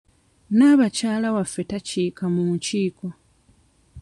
Naabakyala waffe takiika mu nkiiko.